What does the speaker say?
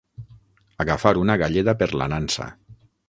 Agafar una galleda per la nansa.